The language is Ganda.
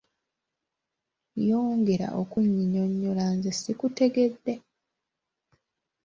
Yongera okunyinyonyola nze sikutegedde.